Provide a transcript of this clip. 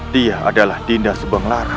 dia adalah dinda subang lara